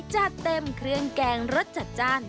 จัดเต็มเครื่องแกงรสจัดจ้าน